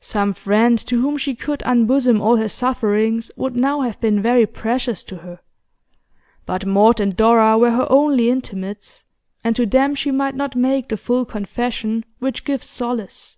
Some friend to whom she could unbosom all her sufferings would now have been very precious to her, but Maud and Dora were her only intimates, and to them she might not make the full confession which gives solace.